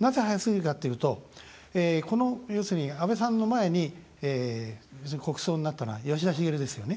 なぜ早すぎるかっていうと要するに、安倍さんの前に国葬になったのは吉田茂ですよね。